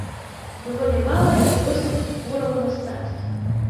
Было нямала і розных твораў мастацтва.